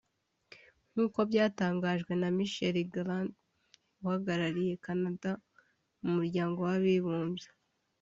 nk’uko byatangajwe na Michael Grant uhagarariye Canada mu Muryango w’Abibumbye